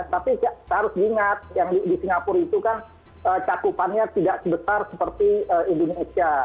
tapi harus diingat yang di singapura itu kan cakupannya tidak sebesar seperti indonesia